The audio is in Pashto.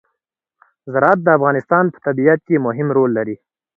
زراعت د افغانستان په طبیعت کې مهم رول لري.